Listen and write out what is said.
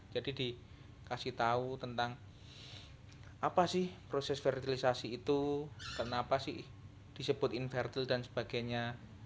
jadi dikasih tahu tentang apa sih proses fertilisasi itu kenapa sih disebut infertil dan sebagainya